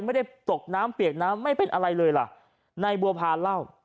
ไม่ได้ตกน้ำเปียกน้ำไม่เป็นอะไรเลยล่ะนายบัวพาเล่า